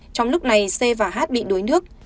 trong lúc này c và h bị đuối nước